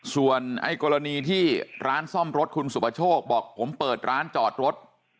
ส่วนไอ้กรณีที่ร้านซ่อมรถคุณสุประโชคบอกผมเปิดร้านจอดรถ